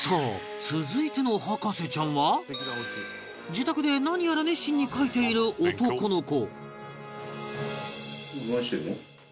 自宅で何やら熱心に描いている男の子